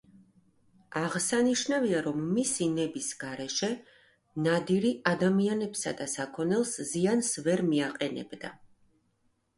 აღსანიშნავია, რომ მისი ნების გარეშე ნადირი ადამიანებსა და საქონელს ზიანს ვერ მიაყენებდა.